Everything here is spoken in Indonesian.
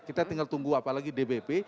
kita tinggal tunggu apalagi dpp